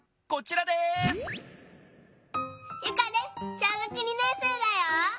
小学２年生だよ。